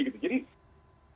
jadi usaha pembelahan masyarakat